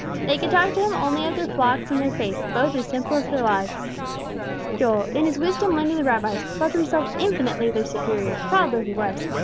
They could talk to him only of their flocks and their faith, both as simple as their lives. Joel, in his wisdom learned of the Rabbis, felt himself infinitely their superior, child though he was.